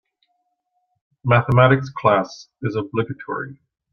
Mathematics class is obligatory.